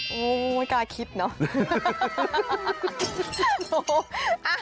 โอ้โหไม่กล้าคิดเนอะ